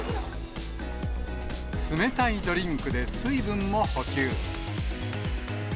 冷たいドリンクで水分を補給。